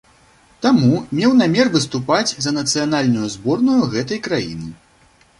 Таму меў намер выступаць за нацыянальную зборную гэтай краіны.